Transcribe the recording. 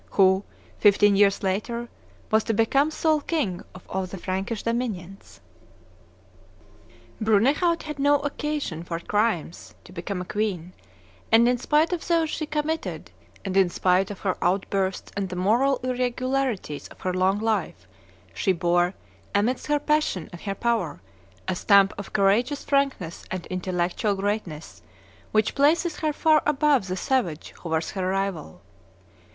who, fifteen years later, was to become sole king of all the Frankish dominions. Brunehaut had no occasion for crimes to become a queen, and, in spite of those she committed, and in spite of her out bursts and the moral irregularities of her long life, she bore, amidst her passion and her power, a stamp of courageous frankness and intellectual greatness which places her far above the savage who was her rival.